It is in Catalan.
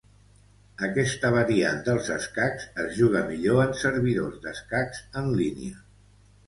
Aquesta variant dels escacs es juga millor en servidors d'escacs en línia.